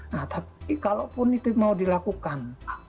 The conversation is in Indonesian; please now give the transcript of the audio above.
nah tapi kalaupun itu mau dilakukan